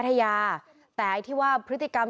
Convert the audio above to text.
แต่เรื่องการผลติกรรม